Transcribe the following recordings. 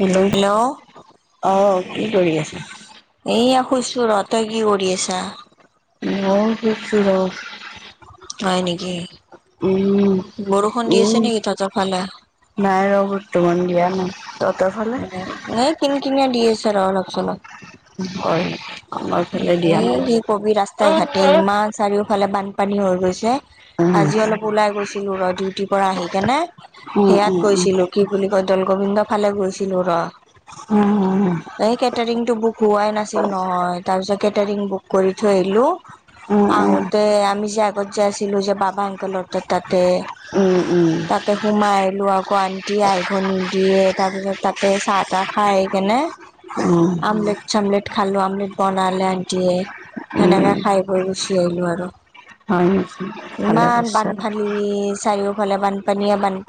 Hello, অ, কি কৰি আছা? এইয়া শুইছো ৰ, তই কি কৰি আছা? [unintelligible] হয় নেকি? উম, বৰষুণ দি আছে উম, নেকি তহঁতৰ ফালে? নাই ৰ, বৰ্তমান দিয়া নাই। তহঁতৰ ফালে? এই কিনকিনীয়া দি আছে ৰ অলপ-চলপ। হয়। আমাৰ ফালে দিয়া এই নাই। কি কবি ৰাস্তা ঘাটে ইমান চাৰিওফালে বানপানী হৈ গৈছে। উম, আজি অলপ ওলাই গৈছিলো, ৰ ডিউটিৰ পৰা আহি কেনে উম, সেয়াত উম, গৈছিলো। কি বুলি কয়, দৌল গোবিন্দ ফালে গৈছিলো ৰ, উম, [inaudible] এই কেটাৰিং টো বহোৱাই নাছিল নহয়, তাৰ পিছত কেটাৰিং বুক কৰি থৈ আহিলো, উম, আহোতে আমি য গতজা আছিলিলো যে, বাবা অংক লত তাতে উম, উম, তাতে সোমাই আহিলো আকৌ আণ্টি আই আহিব নিদিয়ে তাৰ পিছত তাতে চাহ-তাহ খাই আহি কেনে উম, মট- চমলেট খালালো আমলেট বনালে আন্টিয়ে সেনেকে উম, খাই গৈ গুচি আাইলো আৰু, হয় নেকি? ভালে ইমান কৰিছা। বানপানী চাৰিওফালে বাণ বানপানী, বাণ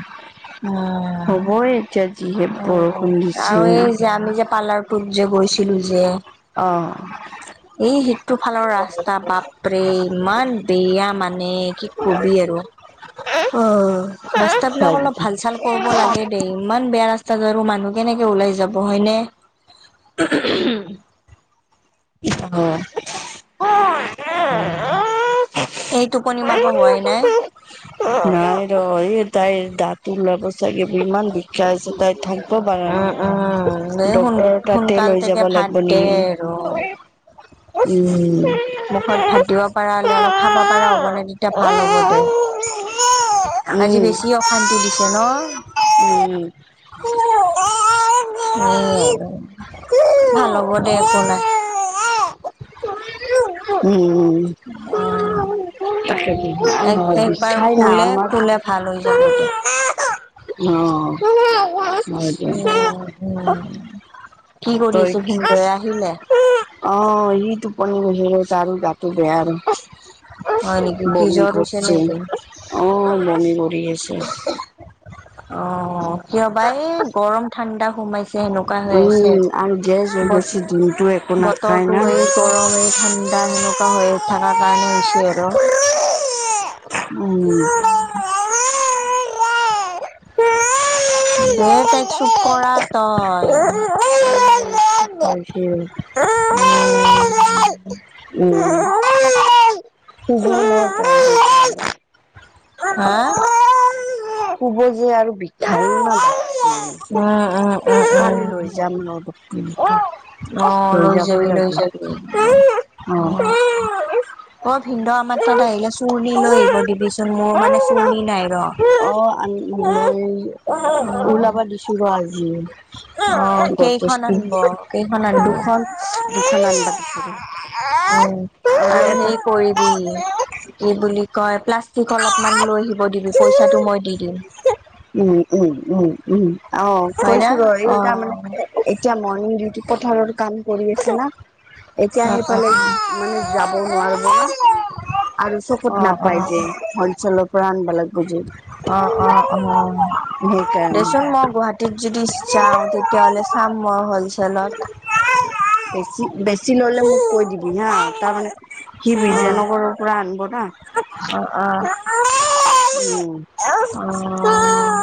[inaudible] উম হ'বই এতিয়া যিহে উম বৰষুণ আৰু দিছে। এই যে আমি যে পাৰ্লাৰটোত যে গৈছিলো যে, অ', এই সেইটোফালৰ ৰাস্তা বাপ ইমান বেয়া মানে কি কবি আৰু অ', ৰাস্তা হয় বিলাক অলপ নেকি? ভাল চাল-কৰিব লাগে দেই ইমান বেয়া ৰাস্তাত আৰু মানুহ কেনেকে ওলাই যাব, হয়নে? [unintelligible] অ'। উম, অ'। এই টোপনি মাৰিবা হোৱাই নাই। তাই ৰ এ তাইৰ দাঁত লাব চাগে, ইমান বিখ্যায় আছে তাইৰ থাক উম উম, এই স তাতে লৈ যাব সোনকাললেতে থাক লাগিব দে নেকি? আৰু। উম। মুখত ভাত দিব পাৰা হ'লে অলপ খাবা পাৰা হ'ব নে তেতিয়া ভাল হ'ব দে, আজি বেছি অশান্তি দিছে ন। উম। এ উম। আৰু, ভাল হ'ব দে একো নাই। উম। উম, এক, নহয় একবাৰ বিচাই না শুলে আমাক শুলে ভাল হৈ যাব দে। অ'। হয় দে উম উম, কি কৰি তই আছে ভিন্দয়ে আহিলে? অ' ই টোপনি গৈছিলো জাৰু তা গা টো বেয়া বোলে, হয় নেকি আৰু কি বমি জ্বৰ হৈছে কৰিছি। নেকি অ' বমি কৰি আছে। অ' কিয় বা এই গৰম ঠাণ্ডা সোমাইছে সেনেকুৱা হৈ আছে, উম আৰু গেছ হৈ বত গৈছে দিনটো একো নাখায় বতৰটো না। এই গৰম এই ঠাণ্ডা সেনেকুৱা হৈ থকাৰ কাৰণে হৈছে আৰু। উম। দে তাইক চপ কৰা তই। [unintelligible] উম। [unintelligible] হা কব যে আৰু বিখায় ন। [unintelligible] [unintelligible] অ' লৈ যাবই যাবি লৈ লাগিব যাবি অ'। অ' ভিনদেউ আমাৰ তাত আহিলে চুৰ্ণি লৈ আহিব দিবিচোন, মোৰ অ মানে চুৰণি নাই ৰ। [unintelligible] ওলাবা দিছো ৰ আজি, অ কেইখন গডৰেজটো আনিব কেইখন আনিবি দুখন দুখ আনবা দিছো ৰ। উম, আৰু সেই কৰিবি এই বুলি কয়, প্লাষ্টিক অলপমান লৈ আহিব দিলো পইচাটো মই দি দিম। উম, উম, উম, উম, আহ হয় না কৈছো ৰ, এই তাৰ অ', মানে এতিয়া মৰ্ণিং ডিউটি পথাৰৰ কাম কৰি আছে না। এতিয়া অ', অ', সেইফালে উম, মানে যাব নোৱাৰিব। আৰু চকুত অ', নাপাই অ', যে, হ'লচেলৰ পৰা আনবা লাগব গজি। অ' অ', অ' সেইকাৰণে। দেচোন মই গুৱাহাটী যদি যাও, তেতিয়াহ'লে চাম মই হ'লচেলত। বেছি, বেছি ল'লে মোক কৈ দিবি হা, তাৰমানে সি অ', বিজয়নগৰৰ পৰা আনিব না। অ', অ', অ',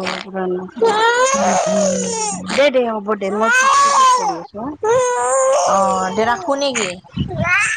[unintelligible] উম, উম, উম। দে দে হু'ব ছো [unintelligible] অ', দে ৰাখো নেকি। া [unintelligible]